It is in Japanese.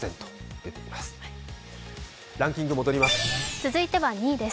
続いては２位です。